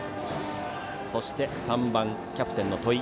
そして３番、キャプテンの戸井。